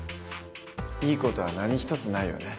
いい事は何一つないよね。